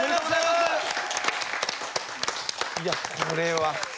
いやこれは。